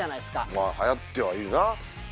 まあはやってはいるな。